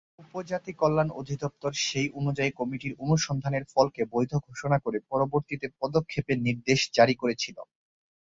উপজাতি কল্যাণ অধিদপ্তর সেই অনুযায়ী কমিটির অনুসন্ধানের ফলকে বৈধ ঘোষণা করে পরবর্তী পদক্ষেপের নির্দেশ জারি করেছিল।